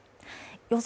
予想